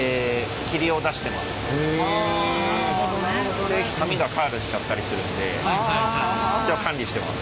あの紙がカールしちゃったりするんで管理してます。